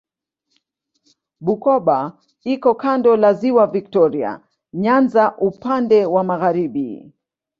Bukoba iko kando la Ziwa Viktoria Nyanza upande wa magharibi.